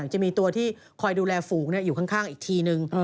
จะมีตัวที่คอยดูแลฝูงอยู่ข้างอีกทีนึง